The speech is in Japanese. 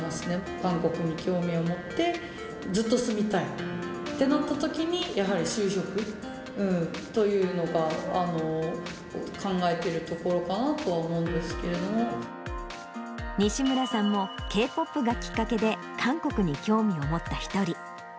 韓国に興味を持って、ずっと住みたいってなったときに、やはり就職というのが考えているところかなとは思うんですけれど西村さんも、Ｋ−ＰＯＰがきっかけで、韓国に興味を持った一人。